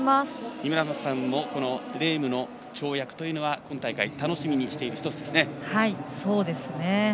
井村さんもレームの跳躍というのは今大会楽しみにしている１つですね。